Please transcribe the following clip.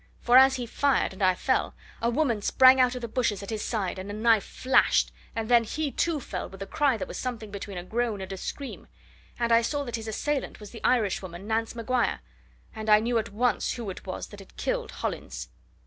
For as he fired and I fell, a woman sprang out of the bushes at his side, and a knife flashed, and then he too fell with a cry that was something between a groan and a scream and I saw that his assailant was the Irishwoman Nance Maguire, and I knew at once who it was that had killed Hollins.